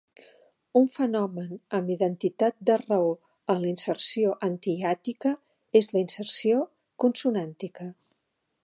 Un fenomen amb identitat de raó a la inserció antihiàtica és la inserció consonàntica.